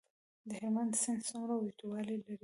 د هلمند سیند څومره اوږدوالی لري؟